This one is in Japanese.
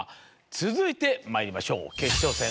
続いてまいりましょう。